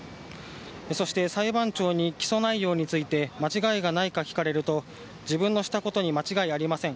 そして裁判長に起訴内容について間違いがないか聞かれると、自分のしたことに間違いありません。